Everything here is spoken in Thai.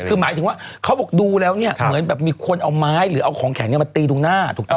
คือหมายถึงว่าเขาบอกดูแล้วเนี่ยเหมือนแบบมีคนเอาไม้หรือเอาของแข็งมาตีตรงหน้าถูกต้อง